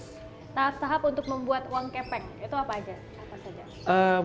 tahap tahap untuk membuat uang kepeng itu apa aja